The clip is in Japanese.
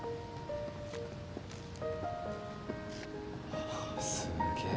ああすげえ。